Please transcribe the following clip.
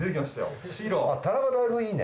田中だいぶいいね。